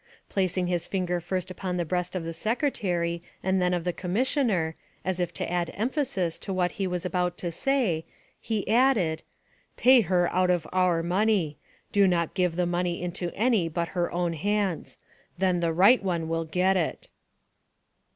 Placing his finger first upon the breast of the Secretary and then of the Commissioner, as if to add emphasis to what he was about to say, he added, " Pay her out of our money ; do not give the money into any but her own hands ; then the right one will get it."